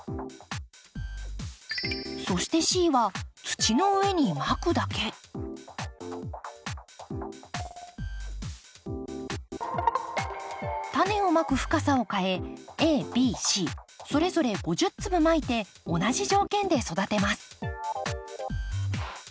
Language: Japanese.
そしてＣは土の上にまくだけタネをまく深さを変えＡＢＣそれぞれ５０粒まいて同じ条件で育てます